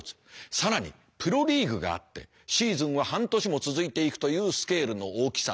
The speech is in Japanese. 更にプロリーグがあってシーズンは半年も続いていくというスケールの大きさ。